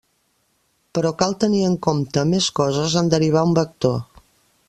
Però cal tenir en compte més coses en derivar un vector.